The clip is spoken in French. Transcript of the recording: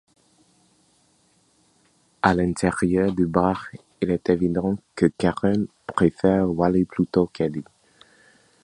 À l’intérieur du bar, il est évident que Karen préfère Wally plutôt qu'Eddie.